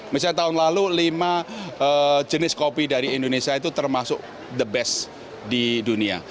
misalnya tahun lalu lima jenis kopi dari indonesia itu termasuk the best di dunia